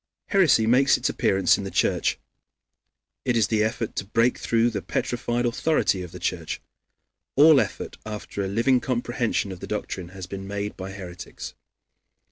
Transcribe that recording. Heresy makes its appearance in the Church. It is the effort to break through the petrified authority of the Church. All effort after a living comprehension of the doctrine has been made by heretics.